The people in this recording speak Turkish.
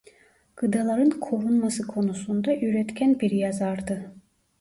Gıdaların korunması konusunda üretken bir yazardı.